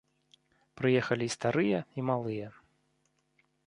Прыехалі і старыя, і малыя.